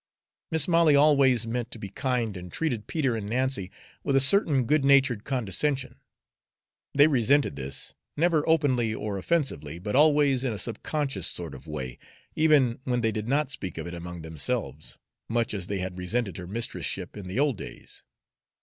Mis' Molly always meant to be kind, and treated Peter and Nancy with a certain good natured condescension. They resented this, never openly or offensively, but always in a subconscious sort of way, even when they did not speak of it among themselves much as they had resented her mistress ship in the old days.